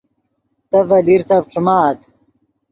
تے ڤے لیرسف ݯیمآت